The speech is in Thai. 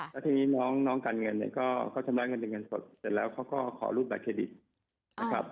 แล้วทีนี้น้องการเงินเนี่ยก็เขาชำระเงินเป็นเงินสดเสร็จแล้วเขาก็ขอรูปบัตเครดิตนะครับ